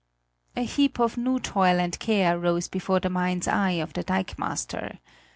A heap of new toil and care rose before the mind's eye of the dikemaster.